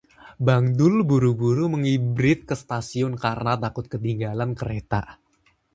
Bang Dul buru-buru mengibrit ke stasiun karena takut ketinggalan kereta